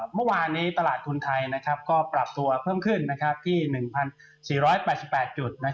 เมื่อวานนี้ตลาดทุนไทยก็ปรับตัวเพิ่มขึ้นที่๑๔๘๘จุด